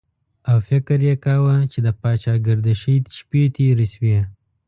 او فکر یې کاوه چې د پاچاګردشۍ شپې تېرې شوې.